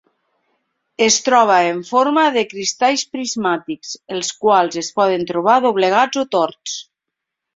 Es troba en forma de cristalls prismàtics, els quals es poden trobar doblegats o torts.